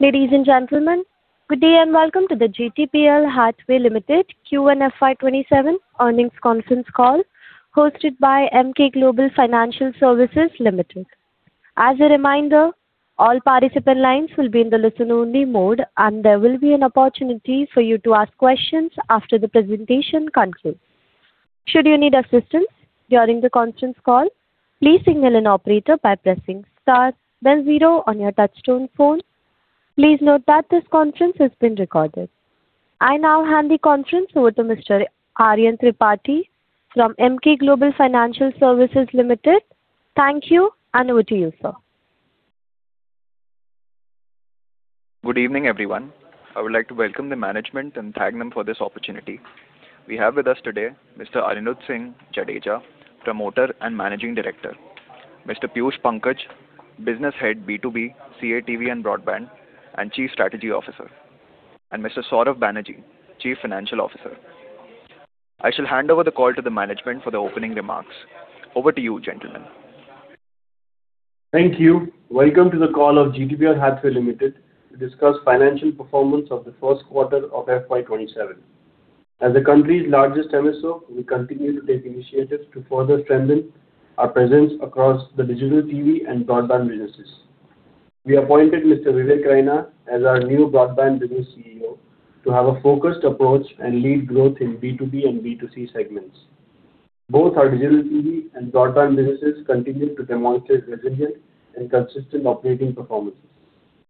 Ladies and gentlemen, good day and welcome to the GTPL Hathway Limited Q1 FY 2027 earnings conference call hosted by Emkay Global Financial Services Limited. As a reminder, all participant lines will be in the listen-only mode, and there will be an opportunity for you to ask questions after the presentation concludes. Should you need assistance during the conference call, please signal an operator by pressing star then zero on your touch-tone phone. Please note that this conference is been recorded. I now hand the conference over to Mr. Aryan Tripathi from Emkay Global Financial Services Limited. Thank you, and over to you, sir. Good evening, everyone. I would like to welcome the management and thank them for this opportunity. We have with us today Mr. Anirudh Singh Jadeja, Promoter and Managing Director, Mr. Piyush Pankaj, Business Head, B2B, CATV and Broadband, and Chief Strategy Officer, and Mr. Saurav Banerjee, Chief Financial Officer. I shall hand over the call to the management for the opening remarks. Over to you, gentlemen. Thank you. Welcome to the call of GTPL Hathway Limited to discuss financial performance of the first quarter of FY 2027. As the country's largest MSO, we continue to take initiatives to further strengthen our presence across the digital TV and broadband businesses. We appointed Mr. Vivek Raina as our new broadband business CEO to have a focused approach and lead growth in B2B and B2C segments. Both our digital TV and broadband businesses continue to demonstrate resilience and consistent operating performance.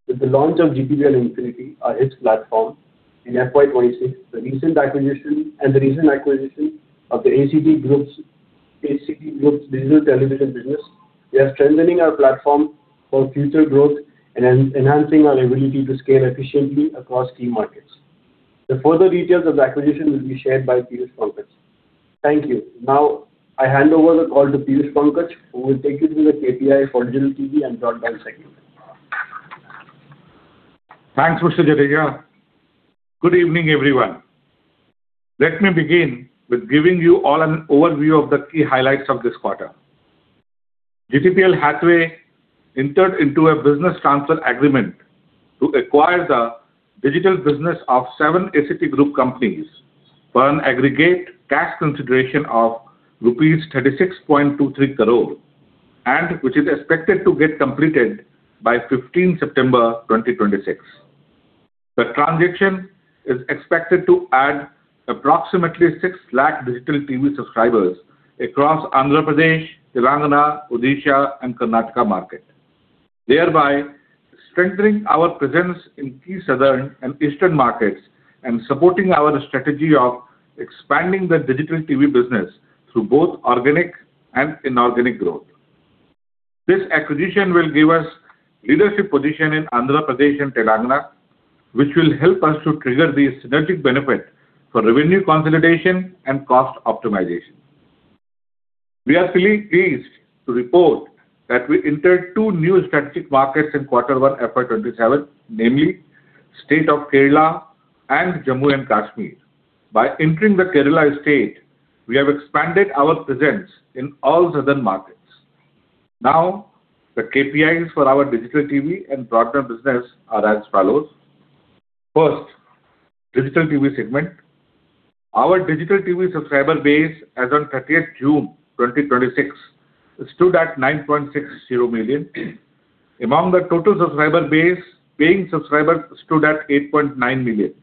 With the launch of GTPL Infinity, our HITS platform in FY 2026, and the recent acquisition of the ACT Group's digital television business, we are strengthening our platform for future growth and enhancing our ability to scale efficiently across key markets. The further details of the acquisition will be shared by Piyush Pankaj. Thank you. Now, I hand over the call to Piyush Pankaj, who will take you through the KPIs for digital TV and broadband segment. Thanks, Mr. Jadeja. Good evening, everyone. Let me begin with giving you all an overview of the key highlights of this quarter. GTPL Hathway entered into a business transfer agreement to acquire the digital business of seven ACT Group companies for an aggregate cash consideration of rupees 36.23 crore, which is expected to get completed by 15 September 2026. The transaction is expected to add approximately 6 lakh digital TV subscribers across Andhra Pradesh, Telangana, Odisha, and Karnataka market, thereby strengthening our presence in key southern and eastern markets and supporting our strategy of expanding the digital TV business through both organic and inorganic growth. This acquisition will give us leadership position in Andhra Pradesh and Telangana, which will help us to trigger the synergetic benefit for revenue consolidation and cost optimization. We are pleased to report that we entered two new strategic markets in Q1 FY 2027, namely State of Kerala and Jammu and Kashmir. By entering the Kerala State, we have expanded our presence in all southern markets. Now, the KPIs for our digital TV and broadband business are as follows. First, digital TV segment. Our digital TV subscriber base as on 30th June 2026 stood at 9.60 million. Among the total subscriber base, paying subscribers stood at 8.9 million.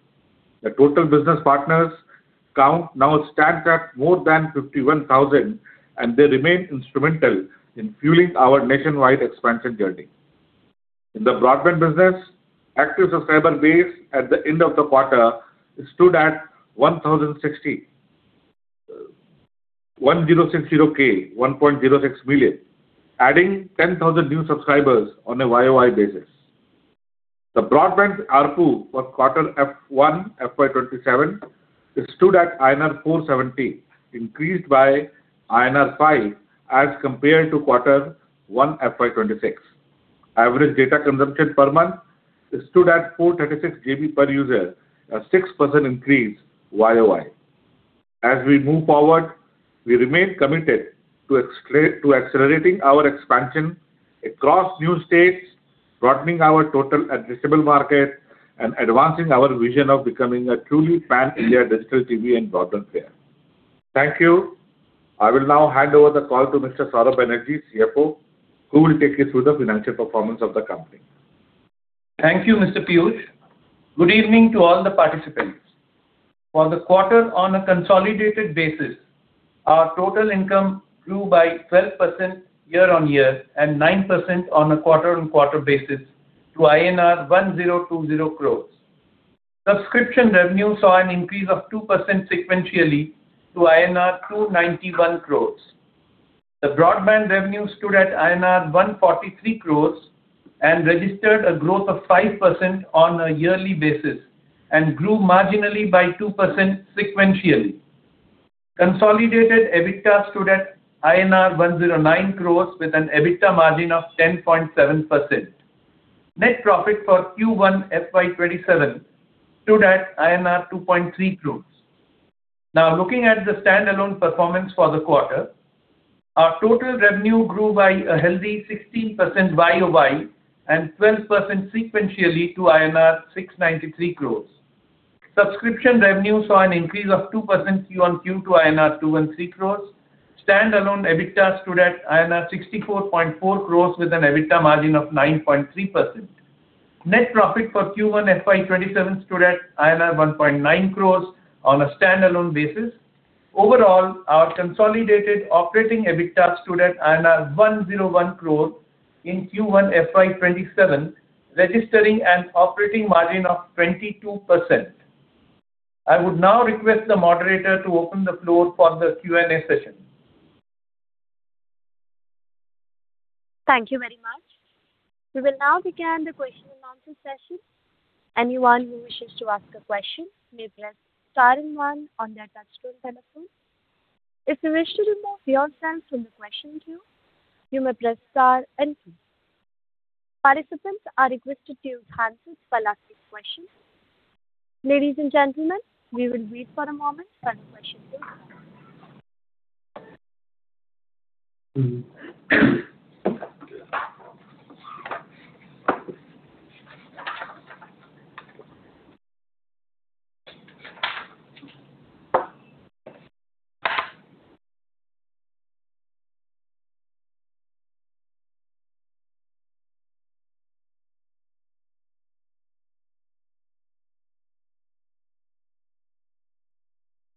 The total business partners count now stands at more than 51,000, and they remain instrumental in fueling our nationwide expansion journey. In the broadband business, active subscriber base at the end of the quarter stood at 1,060. 1,060 K, 1.06 million, adding 10,000 new subscribers on a YOY basis. The broadband ARPU for Q1 FY 2027 stood at INR 470, increased by INR 5 as compared to Q1 FY 2026. Average data consumption per month stood at 436 GB per user, a 6% increase YOY. As we move forward, we remain committed to accelerating our expansion across new states, broadening our total addressable market, and advancing our vision of becoming a truly pan-India digital TV and broadband player. Thank you. I will now hand over the call to Mr. Saurav Banerjee, CFO, who will take you through the financial performance of the company. Thank you, Mr. Piyush. Good evening to all the participants. For the quarter, on a consolidated basis, our total income grew by 12% year-on-year and 9% on a quarter-on-quarter basis to INR 1,020 crore. Subscription revenue saw an increase of 2% sequentially to INR 291 crore. The broadband revenue stood at INR 143 crore and registered a growth of 5% on a yearly basis and grew marginally by 2% sequentially. Consolidated EBITDA stood at INR 109 crore with an EBITDA margin of 10.7%. Net profit for Q1 FY 2027 stood at INR 2.3 crore. Looking at the standalone performance for the quarter. Our total revenue grew by a healthy 16% YOY and 12% sequentially to INR 693 crore. Subscription revenue saw an increase of 2% QOQ to INR 213 crore. Standalone EBITDA stood at INR 64.4 crore with an EBITDA margin of 9.3%. Net profit for Q1 FY 2027 stood at INR 1.9 crore on a standalone basis. Our consolidated operating EBITDA stood at INR 101 crore in Q1 FY 2027, registering an operating margin of 22%. I would now request the moderator to open the floor for the Q&A session. Thank you very much. We will now begin the question and answer session. Anyone who wishes to ask a question may press star and one on their touchtone telephone. If you wish to remove yourself from the question queue, you may press star and two. Participants are requested to unmute while asking questions. Ladies and gentlemen, we will wait for a moment for any questions. We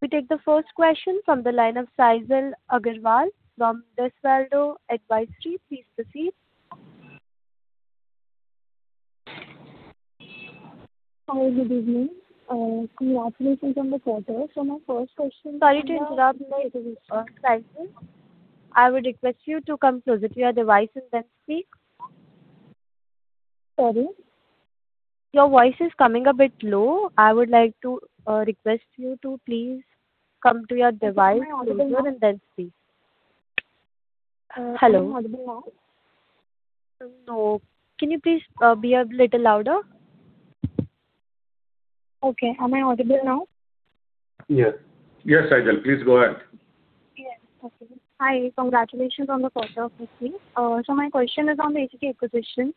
take the first question from the line of [Sajal Agarwal from Oswal Advisory]. Please proceed. Hi, good evening. Congratulations on the quarter. My first question- Sorry to interrupt, [Sajal]. I would request you to come closer to your device and then speak. Sorry? Your voice is coming a bit low. I would like to request you to please come to your device and then speak. Am I audible now? No. Can you please be a little louder? Okay. Am I audible now? Yes. [Sajal], please go ahead. Yes. Okay. Hi. Congratulations on the quarter, firstly. My question is on the ACT acquisition.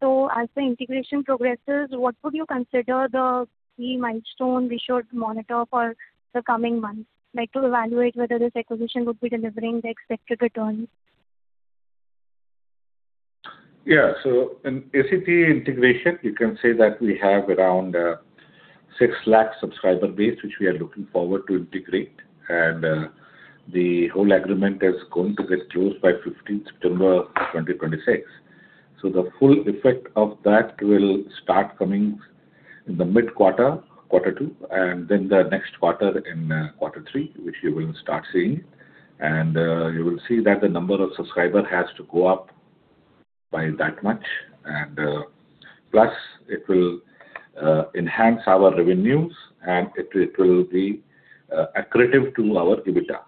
As the integration progresses, what would you consider the key milestone we should monitor for the coming months, like to evaluate whether this acquisition would be delivering the expected returns? Yeah. In ACT integration, you can say that we have around 6 lakh subscriber base, which we are looking forward to integrate, and the whole agreement is going to get closed by 15th September 2026. The full effect of that will start coming in the mid quarter two, and then the next quarter in quarter three, which you will start seeing. You will see that the number of subscriber has to go up by that much. Plus, it will enhance our revenues and it will be accretive to our EBITDA.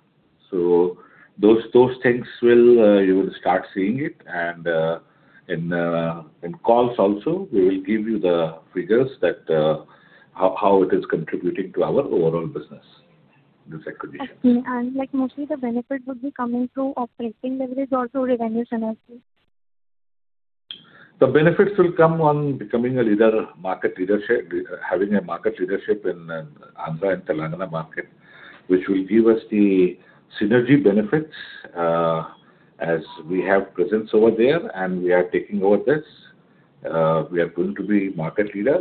Those things you will start seeing it. In calls also, we will give you the figures that how it is contributing to our overall business, this acquisition. Okay. Mostly the benefit would be coming through operating leverage or through revenue synergy? The benefits will come on becoming a market leader, having a market leadership in Andhra and Telangana market, which will give us the synergy benefits as we have presence over there and we are taking over this. We are going to be market leader,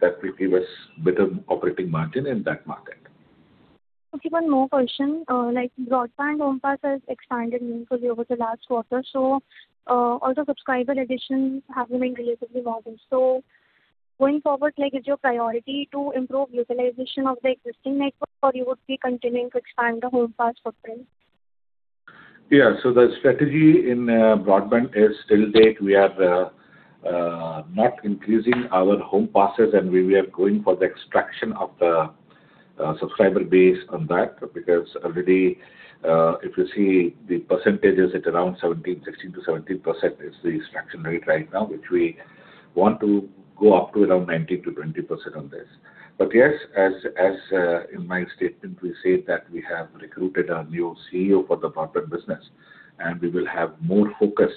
that will give us better operating margin in that market. Okay. One more question. Broadband home pass has expanded meaningfully over the last quarter. Also subscriber additions have remained relatively moderate. Going forward, is your priority to improve utilization of the existing network, or you would be continuing to expand the home pass footprint? Yeah. The strategy in broadband is till date, we are not increasing our home passes and we are going for the extraction of the subscriber base on that, because already if you see the percentage is at around 16%-17% is the extraction rate right now, which we want to go up to around 19%-20% on this. Yes, as in my statement, we said that we have recruited a new CEO for the broadband business, we will have more focus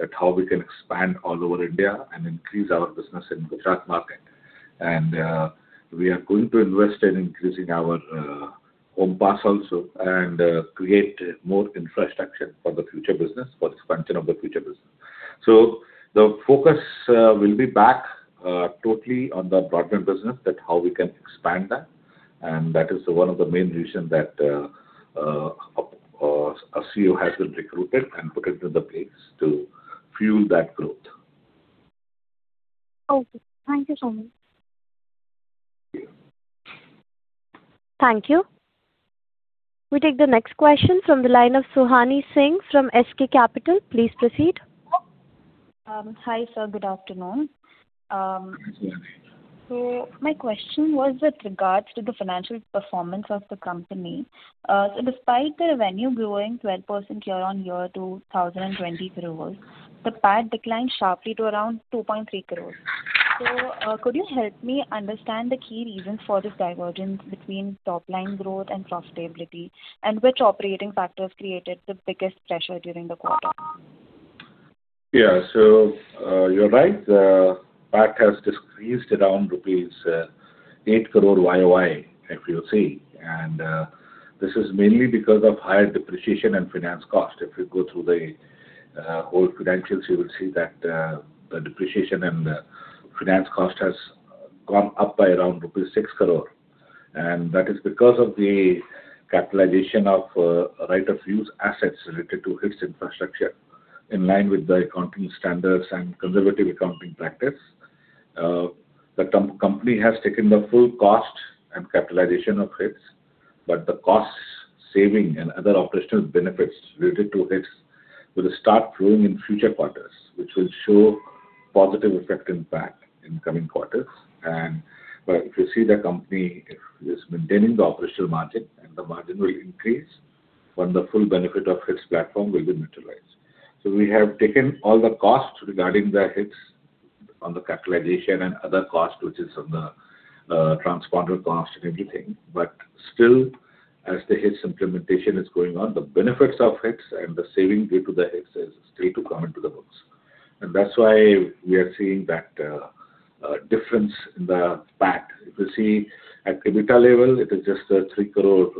at how we can expand all over India and increase our business in Gujarat market. We are going to invest in increasing our home pass also and create more infrastructure for the expansion of the future business. The focus will be back totally on the broadband business, that how we can expand that. That is one of the main reasons that our CEO has been recruited and put into the place to fuel that growth. Okay. Thank you so much. Thank you. Thank you. We take the next question from the line of [Sohani Singh] from SK Capital. Please proceed. Hi, sir. Good afternoon. My question was with regards to the financial performance of the company. Despite the revenue growing 12% year-on-year to 1,020 crore, the PAT declined sharply to around 2.3 crore. Could you help me understand the key reasons for this divergence between top-line growth and profitability, and which operating factors created the biggest pressure during the quarter? You're right. PAT has decreased around rupees 8 crore YOY, if you see. This is mainly because of higher depreciation and finance cost. If you go through the whole credentials, you will see that the depreciation and finance cost has gone up by around rupees 6 crore. That is because of the capitalization of right of use assets related to HITS infrastructure. In line with the accounting standards and conservative accounting practice, the company has taken the full cost and capitalization of HITS, but the cost saving and other operational benefits related to HITS will start flowing in future quarters, which will show positive effect impact in coming quarters. If you see, the company is maintaining the operational margin, and the margin will increase when the full benefit of HITS platform will be utilized. We have taken all the costs regarding the HITS on the capitalization and other cost, which is on the transponder cost and everything. Still, as the HITS implementation is going on, the benefits of HITS and the saving due to the HITS is yet to come into the books. That's why we are seeing that difference in the PAT. If you see at the EBITDA level, it is just 3 crore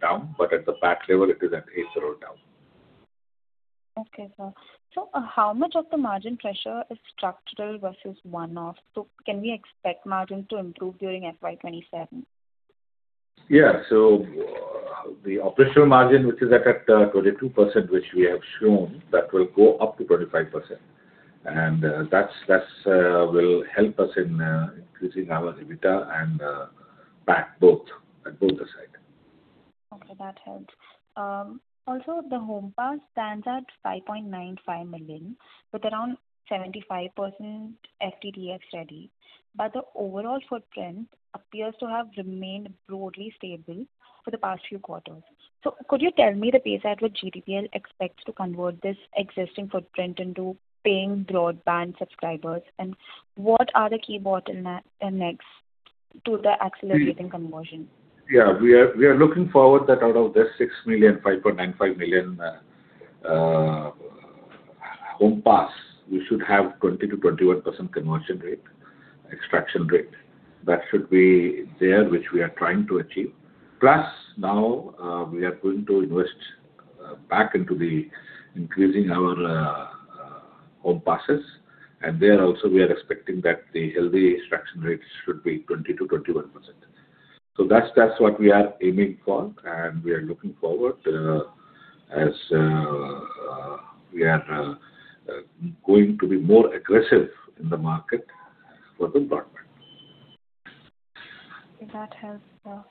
down, but at the PAT level, it is at 8 crore down. Okay, sir. How much of the margin pressure is structural versus one-off? Can we expect margin to improve during FY 2027? Yeah. The operational margin, which is at 22%, which we have shown, that will go up to 25%. That will help us in increasing our EBITDA and PAT, both the side. Okay, that helps. Also, the home pass stands at 5.95 million, with around 75% FTTH ready, the overall footprint appears to have remained broadly stable for the past few quarters. Could you tell me the pace at which GTPL expects to convert this existing footprint into paying broadband subscribers? What are the key bottlenecks to the accelerating conversion? Yeah. We are looking forward that out of this 6 million, 5.95 million home pass, we should have 20%-21% conversion rate, extraction rate. That should be there, which we are trying to achieve. Plus, now we are going to invest back into increasing our home passes. There also, we are expecting that the healthy extraction rates should be 20%-21%. That's what we are aiming for and we are looking forward as we are going to be more aggressive in the market for the broadband. Okay, that helps, sir.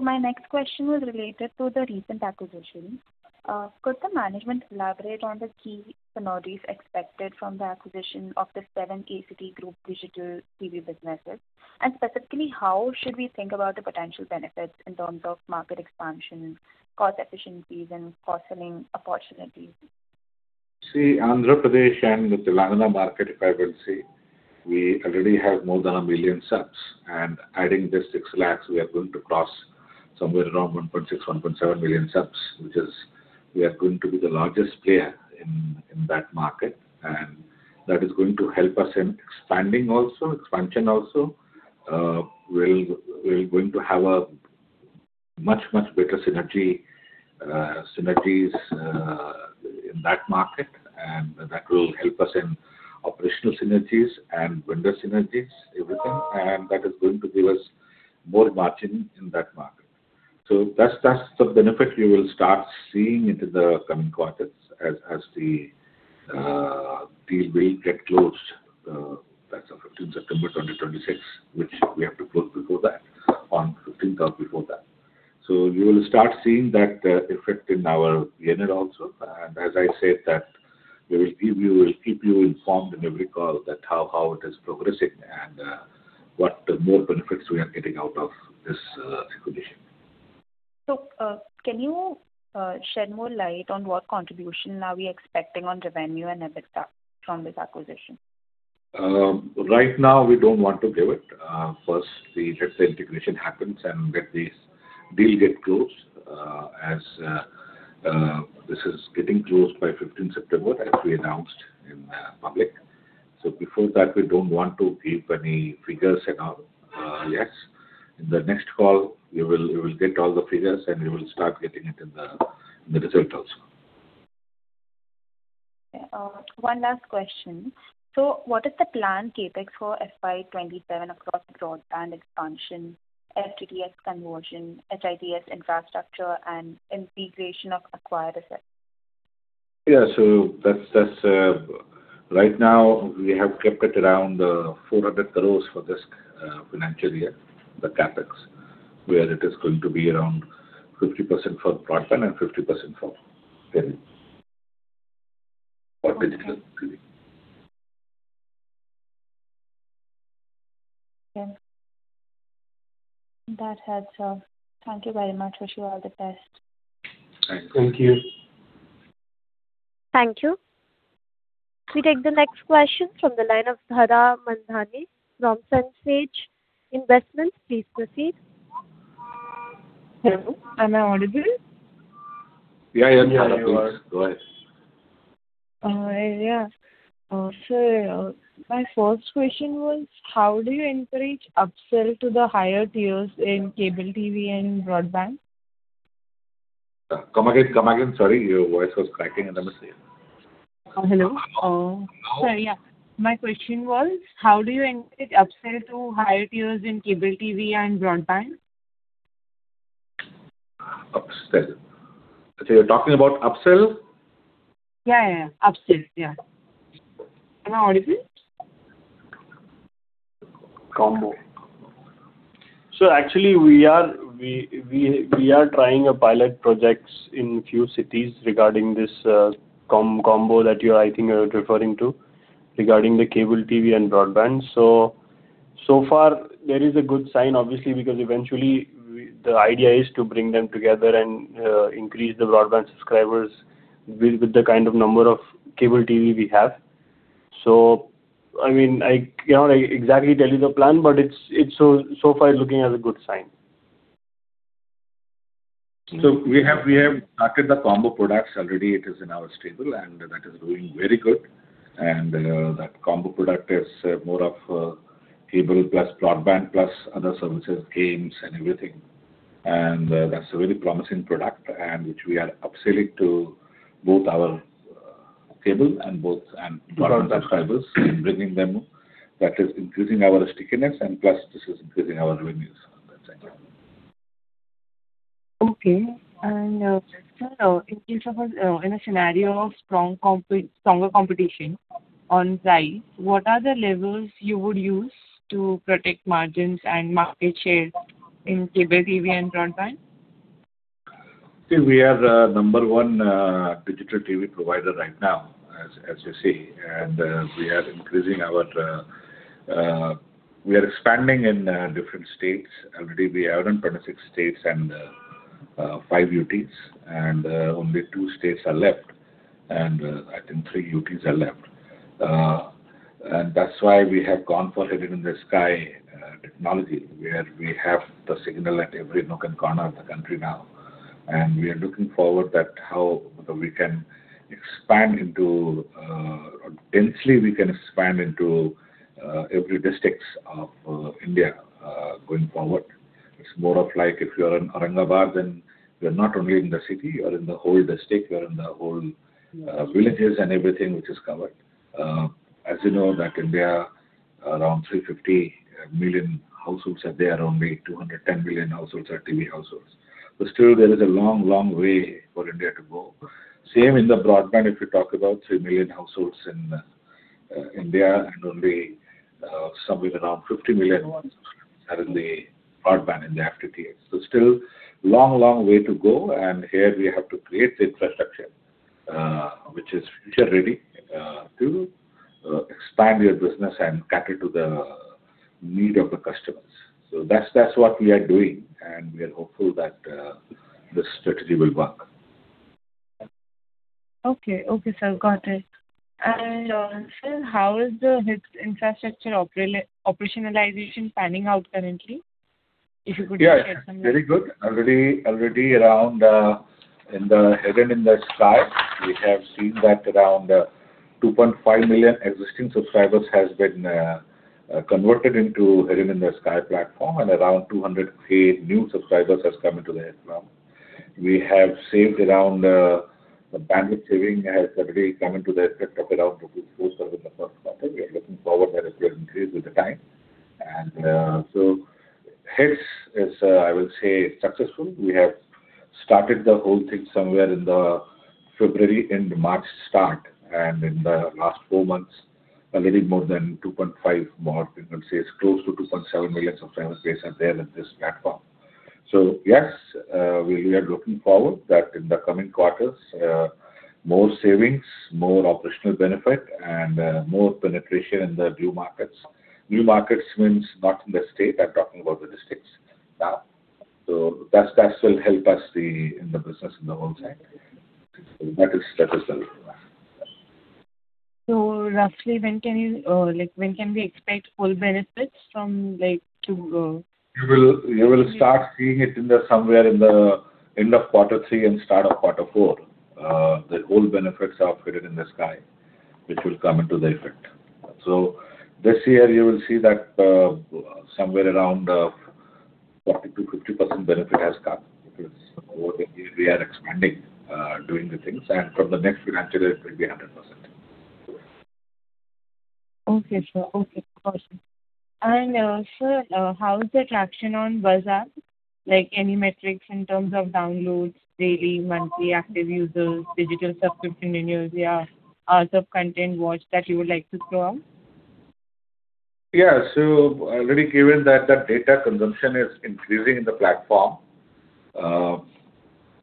My next question was related to the recent acquisition. Could the management elaborate on the key synergies expected from the acquisition of the seven ACT Group digital TV businesses? Specifically, how should we think about the potential benefits in terms of market expansion, cost efficiencies, and cross-selling opportunities? See, Andhra Pradesh and with the Telangana market, if I will say, we already have more than a million subs, and adding this 6 lakh, we are going to cross somewhere around 1.6, 1.7 million subs. Which is, we are going to be the largest player in that market, and that is going to help us in expanding also, expansion also. We're going to have a much better synergies in that market, and that will help us in operational synergies and vendor synergies, everything. That is going to give us more margin in that market. That's the benefit we will start seeing into the coming quarters as the deal will get closed. That's on 15 September 2026, which we have to close before that, on 15th or before that. You will start seeing that effect in our P&L also. As I said that we will keep you informed in every call that how it is progressing and what more benefits we are getting out of this acquisition. Can you shed more light on what contribution are we expecting on revenue and EBITDA from this acquisition? Right now, we don't want to give it. First, we let the integration happen and get this deal get closed, as this is getting closed by 15 September, as we announced in public. Before that, we don't want to give any figures and all. Yes. In the next call, we will get all the figures, and we will start getting it in the result also. One last question. What is the planned CapEx for FY 2027 across broadband expansion, FTTH conversion, HITS infrastructure, and integration of acquired assets? Right now, we have kept it around 400 crore for this financial year, the CapEx, where it is going to be around 50% for broadband and 50% for digital TV. Yeah. That helps, sir. Thank you very much. Wish you all the best. Thank you. Thank you. We take the next question from the line of [Dhara Mandhani from Sandsage Investments]. Please proceed. Hello, am I audible? Yeah, you are. Go ahead. Yeah. Sir, my first question was, how do you encourage upsell to the higher tiers in cable TV and broadband? Come again. Sorry, your voice was cracking and I missed it. Hello. Hello. Sir, yeah. My question was, how do you encourage upsell to higher tiers in cable TV and broadband? Upsell. You're talking about upsell? Yeah. Upsell. Am I audible? Combo. Sir, actually, we are trying pilot projects in few cities regarding this combo that I think you're referring to, regarding the cable TV and broadband. So far, there is a good sign, obviously, because eventually, the idea is to bring them together and increase the broadband subscribers with the kind of number of cable TV we have. I cannot exactly tell you the plan, but far it's looking as a good sign. We have started the combo products already. It is in our stable, that is doing very good. That combo product is more of cable plus broadband plus other services, games and everything. That's a very promising product, which we are upselling to both our cable and broadband subscribers, bringing them. That is increasing our stickiness and plus this is increasing our revenues on that side. Okay. Sir, in case of a scenario of stronger competition on Jio, what are the levers you would use to protect margins and market share in cable TV and broadband? We are the number one digital TV provider right now, as you say. We are expanding in different states. Already we are in 26 states and five UTs, only two states are left, and I think three UTs are left. That's why we have gone for Headend In The Sky technology, where we have the signal at every nook and corner of the country now. We are looking forward that how densely we can expand into every district of India going forward. It's more of like if you are in Aurangabad, then we are not only in the city, we are in the whole district, we are in the whole villages and everything, which is covered. As you know that in India, around 350 million households are there. Only 210 million households are TV households. Still there is a long way for India to go. Same in the broadband, if you talk about 300 million households in India, and only somewhere around 50 million ones are in the broadband, in the FTTH. Still long way to go. Here we have to create the infrastructure, which is future ready to expand your business and cater to the need of the customers. That's what we are doing, and we are hopeful that this strategy will work. Okay, sir. Got it. Sir, how is the HITS infrastructure operationalization panning out currently? If you could share some light. Very good. Already in the Headend In The Sky, we have seen that around 2.5 million existing subscribers has been converted into Headend In The Sky platform, and around 208,000 new subscribers has come into the platform. The bandwidth saving has already come into the effect of around 2.47 million in the first quarter. We are looking forward that it will increase with the time. HITS is, I would say, successful. We have started the whole thing somewhere in February, end March start. In the last four months, a little more than 2.5 million more, we will say it's close to 2.7 million subscribers are there in this platform. Yes, we are looking forward that in the coming quarters, more savings, more operational benefit, and more penetration in the new markets. New markets means not in the state. I'm talking about the districts now. That will help us in the business in the whole side. That is successful. Roughly when can we expect full benefits from? You will start seeing it somewhere in the end of quarter three and start of quarter four. The whole benefits of Headend In The Sky, which will come into the effect. This year, you will see that somewhere around 40%-50% benefit has come because we are expanding, doing the things. From the next financial year, it will be 100%. Okay, sir. Sir, how is the traction on Buzz app? Any metrics in terms of downloads, daily, monthly active users, digital subscription renewals, or hours of content watched that you would like to throw out? Yeah. Already given that the data consumption is increasing.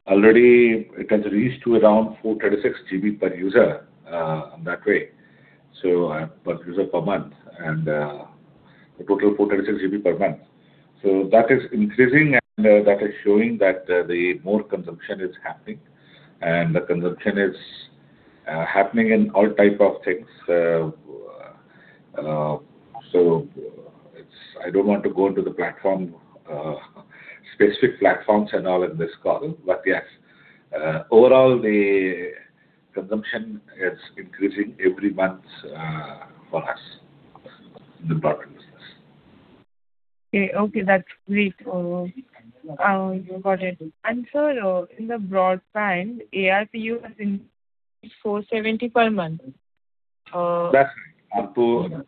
Already it has reached to around 436 GB per user per month. A total of 436 GB per month. That is increasing and that is showing that more consumption is happening, and the consumption is happening in all type of things. I don't want to go into the specific platforms and all in this call. Yes, overall, the consumption is increasing every month for us in the broadband business. Okay. That's great. You got it. Sir, in the broadband, ARPU has increased to 470 per month. That's right. ARPU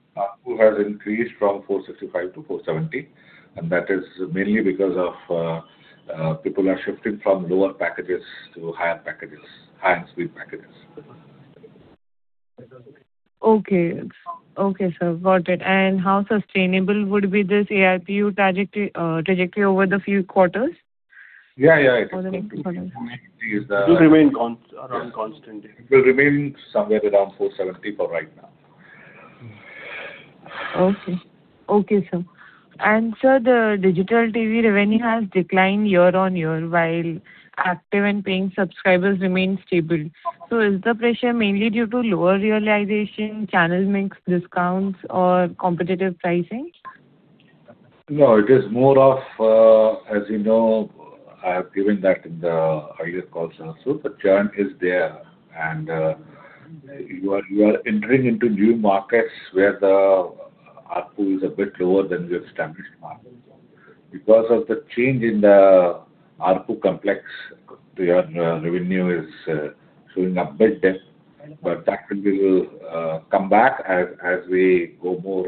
has increased from 465 to 470, and that is mainly because people are shifting from lower packages to higher packages, higher speed packages. Okay. Sir. Got it. How sustainable would be this ARPU trajectory over the few quarters? Yeah. It will remain around constant. It will remain somewhere around 470 for right now. Okay, sir. Sir, the digital TV revenue has declined year-on-year while active and paying subscribers remain stable. Is the pressure mainly due to lower realization, channel mix discounts, or competitive pricing? No, as you know, I have given that in the earlier calls also. The churn is there, and you are entering into new markets where the ARPU is a bit lower than your established markets. Because of the change in the ARPU complex, the revenue is showing a bit dip. That will come back as we go more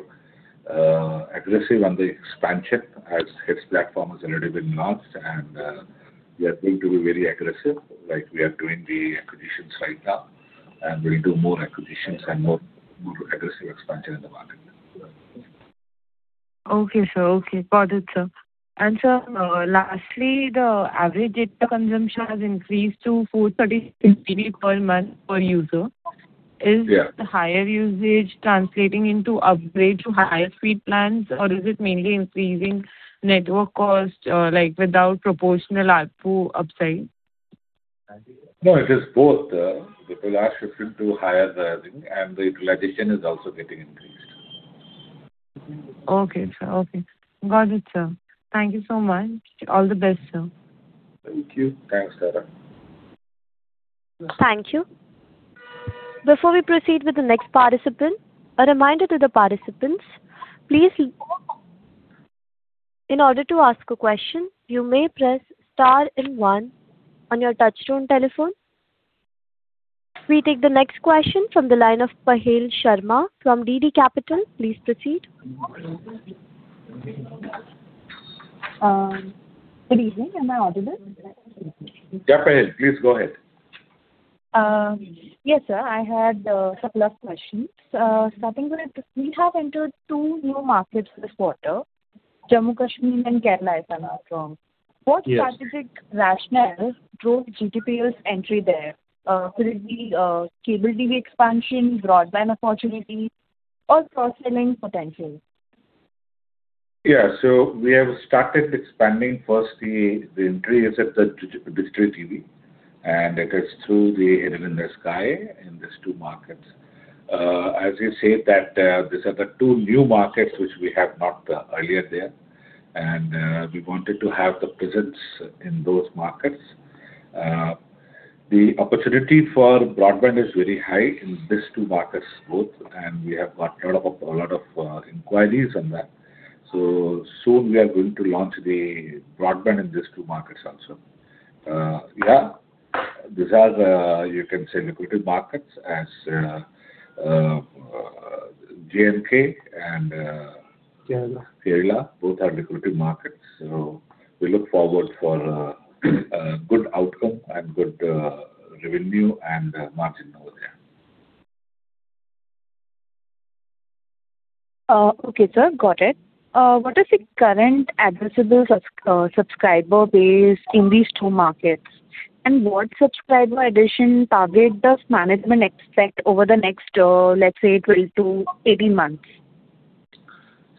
aggressive on the expansion as HITS platform has already been launched and we are going to be very aggressive, like we are doing the acquisitions right now, and we'll do more acquisitions and more aggressive expansion in the market. Okay, sir. Got it, sir. Sir, lastly, the average data consumption has increased to 436 GB per month per user. Yeah. Is the higher usage translating into upgrade to higher speed plans, or is it mainly increasing network cost, like without proportional ARPU upside? No, it is both. People are shifting to higher and the utilization is also getting increased. Okay, sir. Got it, sir. Thank you so much. All the best, sir. Thank you. Thanks, [Dhara]. Thank you. Before we proceed with the next participant, a reminder to the participants. In order to ask a question, you may press star and one on your touchtone telephone. We take the next question from the line of [Pahil Sharma] from DD Capital. Please proceed. Good evening. Am I audible? Yeah, [Pahil]. Please go ahead. Yes, sir. I had a couple of questions. Starting with, we have entered two new markets this quarter, Jammu Kashmir and Kerala, if I'm not wrong. Yes. What specific rationale drove GTPL's entry there? Could it be cable TV expansion, broadband opportunity, or cross-selling potential? Yeah. We have started expanding. Firstly, the entry is at the digital TV. It is through the Headend In The Sky in these two markets. As you said that these are the two new markets which we have not earlier there. We wanted to have the presence in those markets. The opportunity for broadband is very high in these two markets both. We have got a lot of inquiries on that. Soon we are going to launch the broadband in these two markets also. These are, you can say, lucrative markets as J&K and- Kerala. Kerala, both are lucrative markets. We look forward for a good outcome and good revenue and margin over there. Okay, sir. Got it. What is the current addressable subscriber base in these two markets? What subscriber addition target does management expect over the next, let's say, 12-18 months?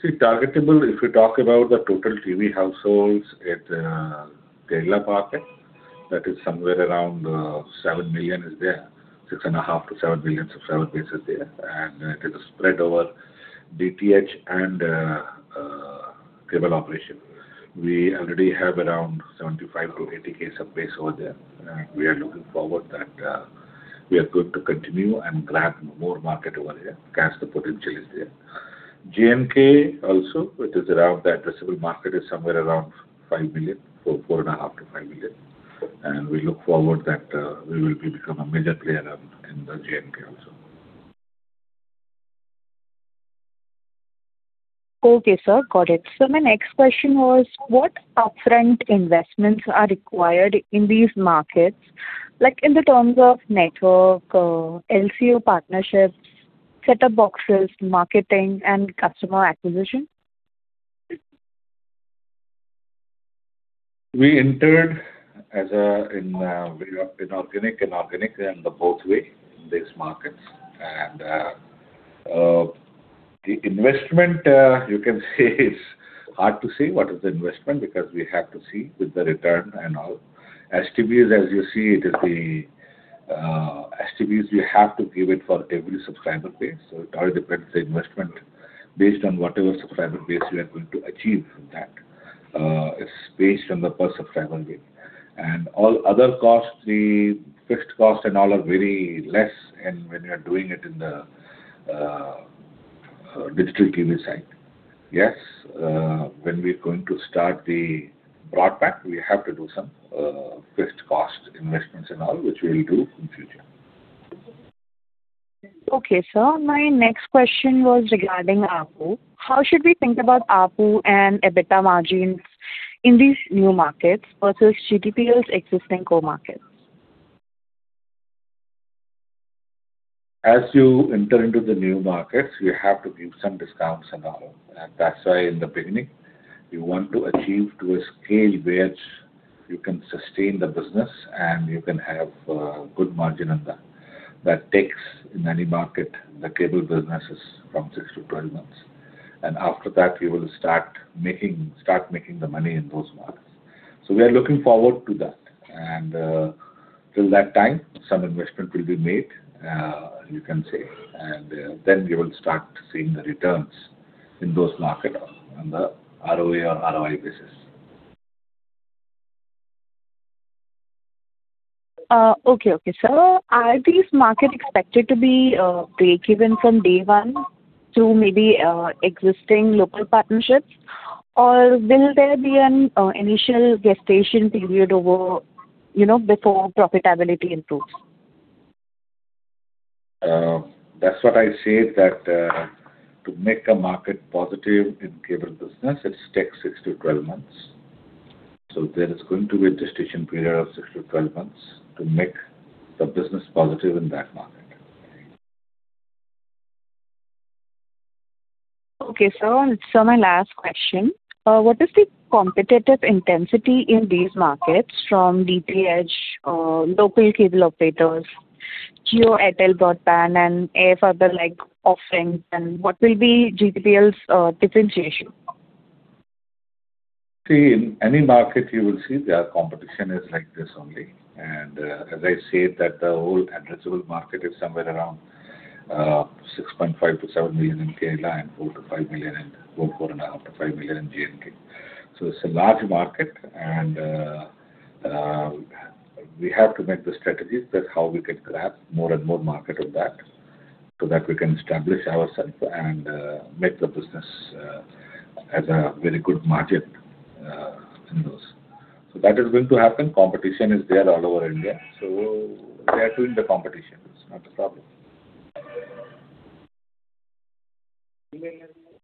See, targetable, if you talk about the total TV households at Kerala market, that is somewhere around 7 million is there, 6.5 million-7 million subscriber base is there. It is spread over DTH and cable operation. We already have around 75,000-80,000 subscribers over there. We are looking forward that we are going to continue and grab more market over there as the potential is there. J&K also, the addressable market is somewhere around 5 million, so 4.5 million-5 million. We look forward that we will become a major player in the J&K also. Okay, sir. Got it. Sir, my next question was what upfront investments are required in these markets, like in the terms of network, LCO partnerships, set-top boxes, marketing, and customer acquisition? We entered as inorganic and organic and both ways in these markets. The investment, you can say, is hard to say what is the investment because we have to see with the return and all. STBs, as you see, we have to give it for every subscriber base. It all depends, the investment, based on whatever subscriber base we are going to achieve from that. It's based on the per subscriber base. All other costs, the fixed cost and all, are very less when we are doing it in the digital TV side. Yes, when we're going to start the broadband, we have to do some fixed cost investments and all, which we will do in future. Okay, sir. My next question was regarding ARPU. How should we think about ARPU and EBITDA margins in these new markets versus GTPL's existing core markets? As you enter into the new markets, you have to give some discounts and all. That's why in the beginning, you want to achieve to a scale where you can sustain the business and you can have a good margin on that. That takes, in any market, the cable businesses from six to 12 months. After that, we will start making the money in those markets. We are looking forward to that, and till that time, some investment will be made, you can say, and then we will start seeing the returns in those markets on the ROE or ROI basis. Okay. Sir, are these markets expected to be breakeven from day one through maybe existing local partnerships, or will there be an initial gestation period before profitability improves? That's what I said, that to make a market positive in cable business, it takes six to 12 months. There is going to be a gestation period of six to 12 months to make the business positive in that market. Okay, sir. Sir, my last question. What is the competitive intensity in these markets from DTH, local cable operators, Jio, Airtel broadband, and AirFiber-like offerings, and what will be GTPL's differentiation? See, in any market you will see their competition is like this only. As I said that the whole addressable market is somewhere around 6.5 million-7 million in Kerala and 4.5 million-5 million in J&K. It's a large market, and we have to make the strategies that how we can grab more and more market of that, so that we can establish ourselves and make the business as a very good margin in those. That is going to happen. Competition is there all over India, so we are doing the competition. It's not a problem.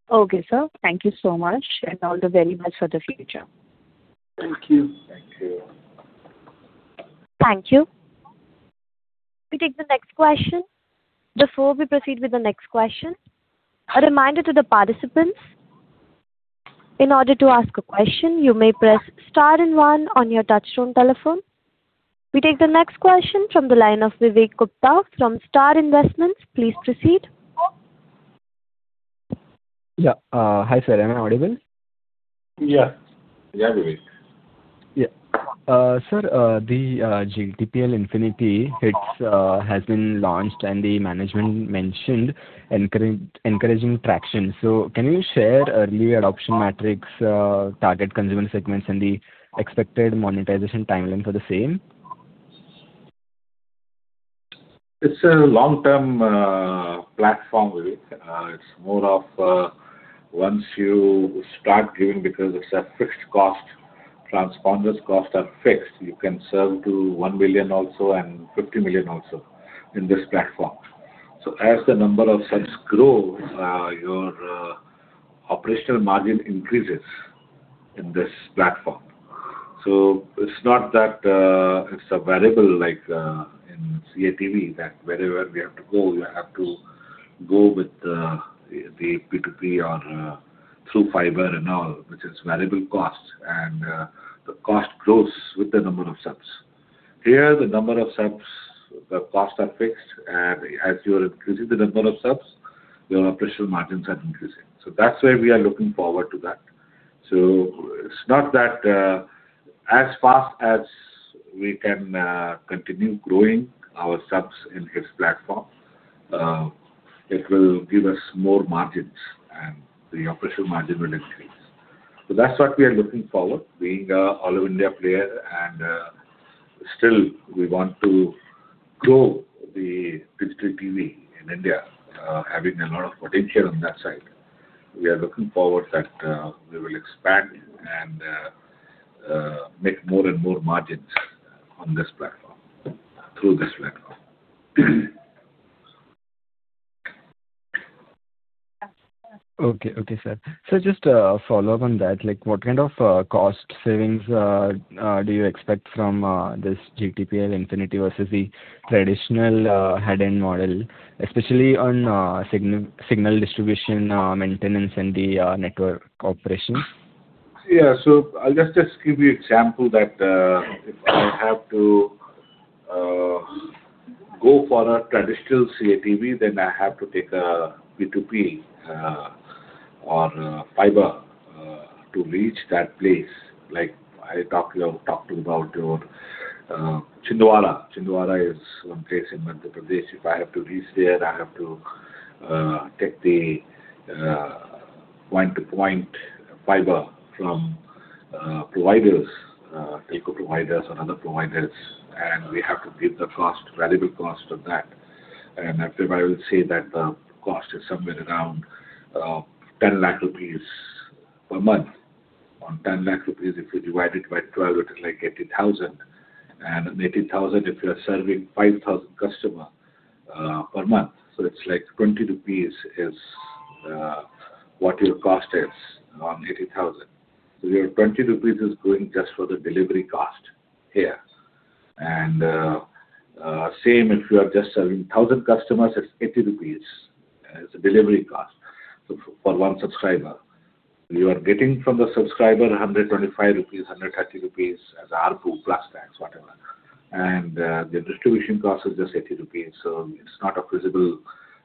Okay, sir. Thank you so much, and all the very best for the future. Thank you. Thank you. We take the next question. Before we proceed with the next question, a reminder to the participants. In order to ask a question, you may press star and one on your touch-tone telephone. We take the next question from the line of Vivek Gupta from Star Investments. Please proceed. Yeah. Hi, sir. Am I audible? Yeah. Yeah, Vivek. Yeah. Sir, the GTPL Infinity, it has been launched and the management mentioned encouraging traction. Can you share early adoption metrics, target consumer segments, and the expected monetization timeline for the same? It's a long-term platform, Vivek. It's more of once you start giving, because it's a fixed cost, transponders cost are fixed. You can serve to 1 million also and 50 million also in this platform. As the number of subs grows, your operational margin increases in this platform. It's not that it's a variable like in CATV, that wherever we have to go, you have to go with the P2P or through fiber and all, which is variable cost, and the cost grows with the number of subs. Here, the number of subs, the costs are fixed, and as you are increasing the number of subs, your operational margins are increasing. That's why we are looking forward to that. It's not that, as fast as we can continue growing our subs in this platform, it will give us more margins and the operational margin will increase. That's what we are looking forward. Being an all of India player, and still we want to grow the digital TV in India, having a lot of potential on that side. We are looking forward that we will expand and make more and more margins on this platform, through this platform. Okay. Sir, just a follow-up on that. What kind of cost savings do you expect from this GTPL Infinity versus the traditional head-end model, especially on signal distribution, maintenance, and the network operations? Yeah. I'll just give you example that if I have to go for a traditional CATV, then I have to take a P2P or fiber to reach that place. Like I talked to you about Chhindwara. Chhindwara is one place in Madhya Pradesh. If I have to reach there, I have to take the point-to-point fiber from providers, telco providers or other providers, and we have to give the variable cost of that. If I will say that the cost is somewhere around 10 lakh rupees per month. On 10 lakh rupees, if you divide it by 12, it is like 80,000. An 80,000, if you are serving 5,000 customer per month, it's like 20 rupees is what your cost is on 80,000. Your 20 rupees is going just for the delivery cost here. Same if you are just serving 1,000 customers, it's 80 rupees as a delivery cost for one subscriber. You are getting from the subscriber 125 rupees, 130 rupees as ARPU plus tax, whatever. The distribution cost is just 80 rupees, it's not feasible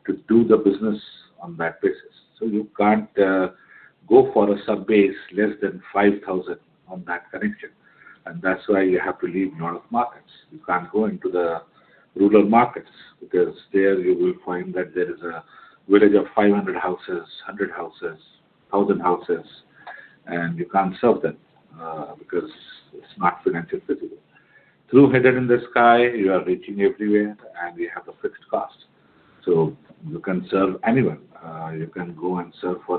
to do the business on that basis. You can't go for a sub base less than 5,000 on that connection, that's why you have to leave north markets. You can't go into the rural markets because there you will find that there is a village of 500 houses, 100 houses, 1,000 houses, and you can't serve them because it's not financially feasible. Through Headend In The Sky, you are reaching everywhere, we have a fixed cost. You can serve anyone. You can go and serve for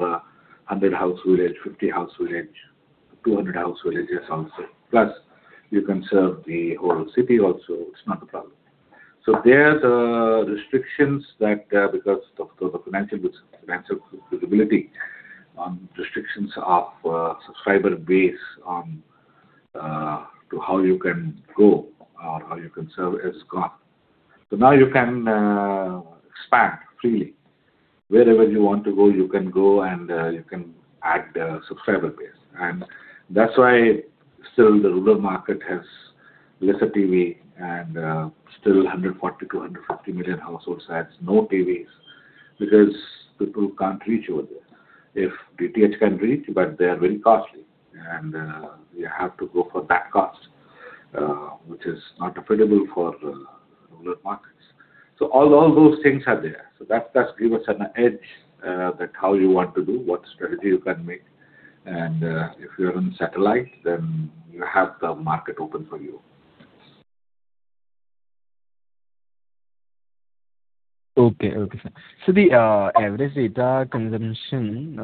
100-house village, 50-house village, 200-house villages also. Plus, you can serve the whole city also, it's not a problem. There, the restrictions because of the financial feasibility on restrictions of subscriber base on to how you can go or how you can serve is gone. Now you can expand freely. Wherever you want to go, you can go, you can add the subscriber base. That's why still the rural market has lesser TV, and still 140 million-150 million households has no TVs because people can't reach over there. DTH can reach, but they are very costly, and you have to go for that cost, which is not affordable for rural markets. All those things are there. That does give us an edge that how you want to do, what strategy you can make, if you're on satellite, then you have the market open for you. Okay, sir. The average data consumption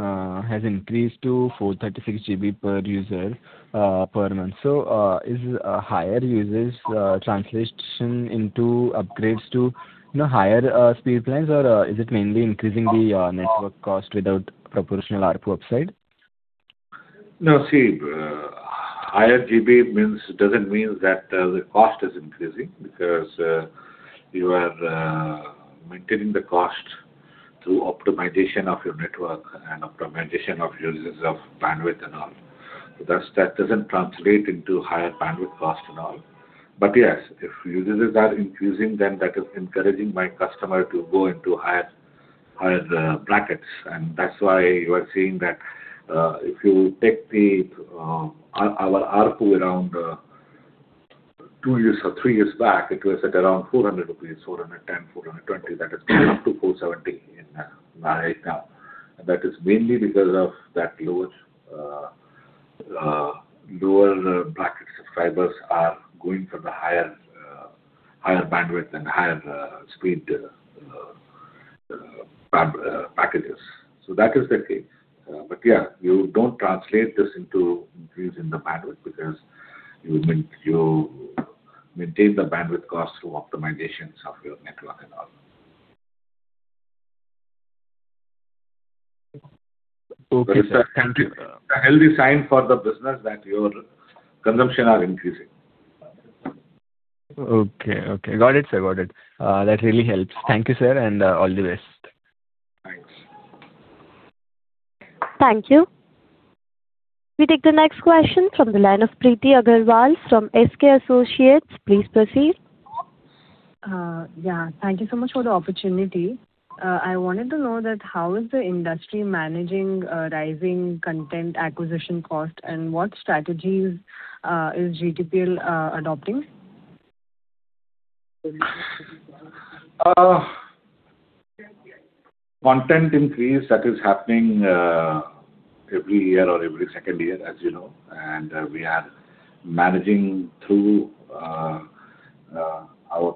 has increased to 436 GB per user per month. Is higher users translation into upgrades to higher speed plans, or is it mainly increasing the network cost without proportional ARPU upside? No, higher GB doesn't mean that the cost is increasing because you are maintaining the cost through optimization of your network and optimization of users of bandwidth and all. That doesn't translate into higher bandwidth cost and all. Yes, if users are increasing, then that is encouraging my customer to go into higher brackets, and that's why you are seeing that if you take our ARPU around two years or three years back, it was at around 400 rupees, 410, 420. That has gone up to 470 right now. That is mainly because of that lower bracket subscribers are going for the higher bandwidth and higher speed packages. That is the case. You don't translate this into increasing the bandwidth because you maintain the bandwidth cost through optimizations of your network and all. Okay, sir. Thank you. It's a healthy sign for the business that your consumption are increasing. Okay. Got it, sir. That really helps. Thank you, sir, and all the best. Thanks. Thank you. We take the next question from the line of Priti Agarwal from SK Associates. Please proceed. Yeah. Thank you so much for the opportunity. I wanted to know that how is the industry managing rising content acquisition cost, and what strategies is GTPL adopting? Content increase, that is happening every year or every second year, as you know. We are managing through our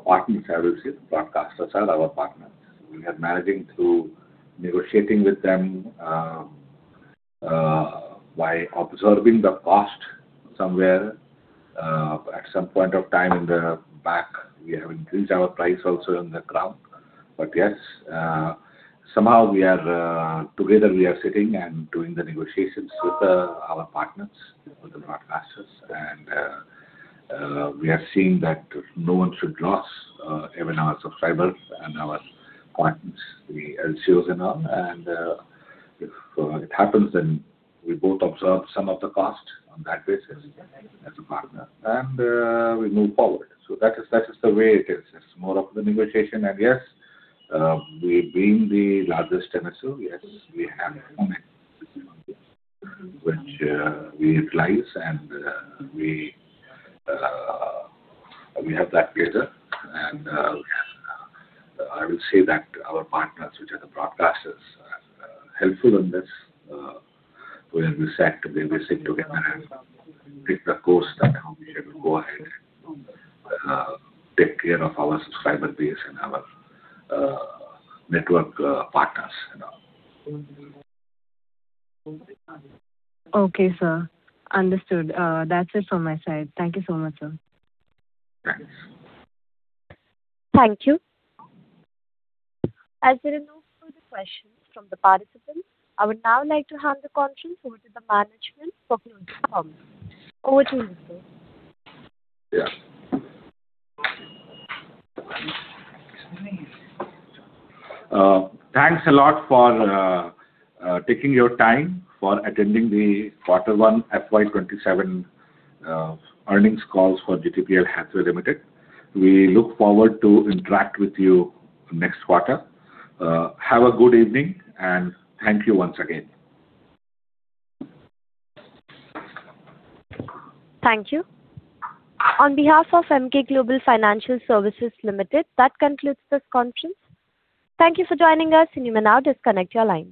partners, I will say. Broadcasters are our partners. We are managing through negotiating with them. By absorbing the cost somewhere, at some point of time in the back, we have increased our price also on the ground. Yes, somehow together we are sitting and doing the negotiations with our partners, with the broadcasters. We are seeing that no one should lose even our subscribers and our partners, the LCOs and all. If it happens, then we both absorb some of the cost on that basis as a partner, and we move forward. That is the way it is. It's more of the negotiation. Yes, we being the largest MSO, yes, we have which we utilize, and we have that data. I will say that our partners, which are the broadcasters, are helpful in this. We sit together and take the course that how we should go ahead and take care of our subscriber base and our network partners and all. Okay, sir. Understood. That's it from my side. Thank you so much, sir. Thanks. Thank you. There are no further questions from the participants, I would now like to hand the conference over to the management for closing comments. Over to you, sir. Thanks a lot for taking your time for attending the Quarter 1 FY 2027 earnings calls for GTPL Hathway Limited. We look forward to interact with you next quarter. Have a good evening, and thank you once again. Thank you. On behalf of Emkay Global Financial Services Limited, that concludes this conference. Thank you for joining us, and you may now disconnect your lines.